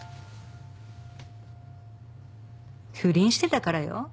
不倫してたからよ。